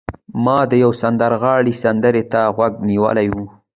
ما د یو سندرغاړي سندرې ته غوږ نیولی و